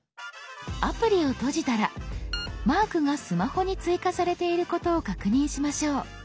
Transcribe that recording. アプリを閉じたらマークがスマホに追加されていることを確認しましょう。